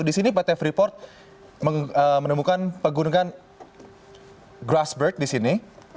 di sini pt freeport menemukan pegunungan grassberg di sini